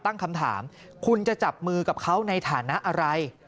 ตั้งคำถามคุณจะจับมือกับเขาในฐานะอะไร